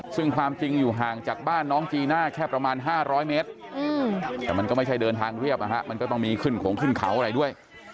ซึ่งความจริงอยู่ห่างจากบ้านน้องจีน่าแค่ประมาณ๕๐๐เมตรแต่มันก็ไม่ใช่เดินทางเรียบมันก็ต้องมีขึ้นของขึ้นเขาอะไรด้วย